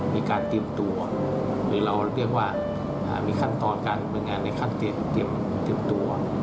มีการเตรียมตัวหรือเราเรียกว่ามีขั้นตอนการดำเนินงานในเตรียมตัว